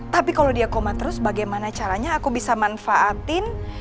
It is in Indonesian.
tapi kalau dia koma terus bagaimana caranya aku bisa manfaatin